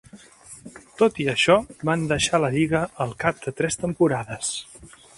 Tot i això, van deixar la lliga al cap de tres temporades.